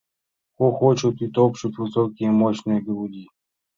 Хохочут и топчут высокие мощные груди